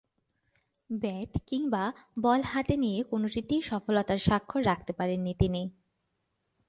Bat কিংবা ball হাতে নিয়ে কোনটিতেই সফলতার স্বাক্ষর রাখতে পারেননি তিনি।